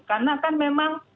karena kan memang